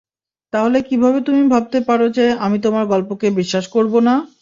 তাহলে কীভাবে তুমি ভাবতে পারো যে, আমি তোমার গল্পকে বিশ্বাস করব না?